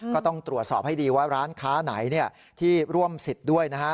ก็ต้องตรวจสอบให้ดีว่าร้านค้าไหนที่ร่วมสิทธิ์ด้วยนะฮะ